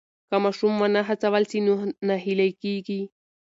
که ماشوم ونه هڅول سي نو ناهیلی کېږي.